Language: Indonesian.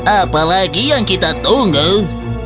apalagi yang kita tunggu